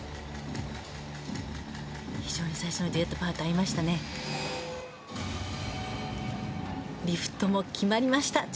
非常に最初のデュエットパートが合いましたね。